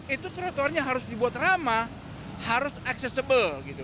itu trotoarnya harus dibuat ramah harus accessible